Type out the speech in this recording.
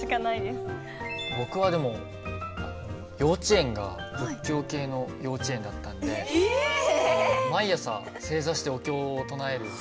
僕はでも幼稚園が仏教系の幼稚園だったんで毎朝正座してお経を唱えるような幼稚園だったんで。